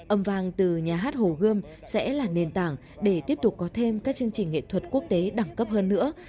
âm vàng từ nhà hát hồ gươm sẽ là nền tảng để tiếp tục có thêm các chương trình nghệ thuật quốc tế đẳng cấp hơn nữa